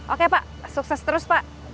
oke pak sukses terus pak